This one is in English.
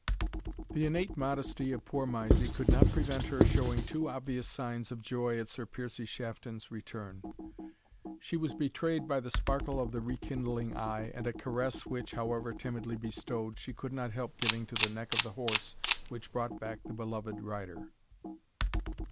The innate modesty of poor Mysie could not prevent her showing too obvious signs of joy at Sir Piercie Shafton's return. She was betrayed by the sparkle of the rekindling eye, and a caress which, however timidly bestowed, she could not help giving to the neck of the horse which brought back the beloved rider.